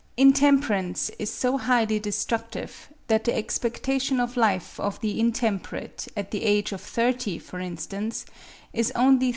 Intemperance is so highly destructive, that the expectation of life of the intemperate, at the age of thirty for instance, is only 13.